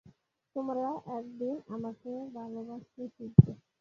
তোমরা একদিন আমাকে ভালবাসতে শিখবে।